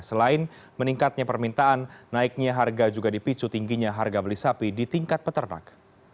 selain meningkatnya permintaan naiknya harga juga dipicu tingginya harga beli sapi di tingkat peternak